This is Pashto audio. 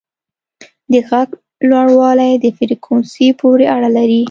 د غږ لوړوالی د فریکونسي پورې اړه لري.